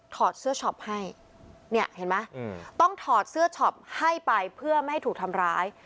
เสื้อช็อปให้เนี่ยเห็นไหมต้องถอดเสื้อช็อปให้ไปเพื่อไม่ให้ถูกทำร้าย